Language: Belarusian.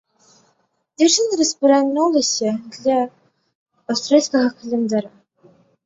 Дзяўчына распранулася для аўстрыйскага календара.